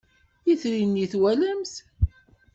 Itri-nni twalam-t?